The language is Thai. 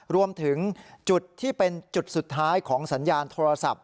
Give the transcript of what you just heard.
รวมถึงจุดที่เป็นจุดสุดท้ายของสัญญาณโทรศัพท์